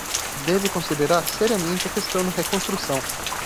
Deve considerar seriamente a questão da reconstrução